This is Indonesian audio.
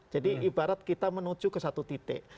jadi ibarat kita menuju ke satu titik